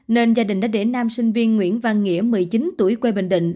nên gia đình đã để nam sinh viên nguyễn văn nghĩa một mươi chín tuổi quê bình định